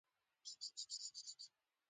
د جګړې توجیې په نړۍ کې ډېرې مفکورې رامنځته کړې